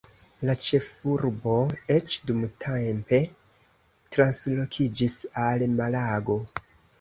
La ĉefurbo eĉ dumtempe translokiĝis al Malago.